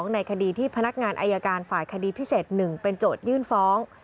ในคดีที่พนักงานอายการฝ่ายคดีพิเศษ๑เป็นโจทยื่นฟ้อง